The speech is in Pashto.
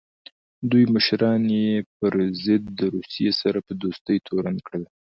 دوی مشران یې پر ضد د روسیې سره په دوستۍ تورن کړل.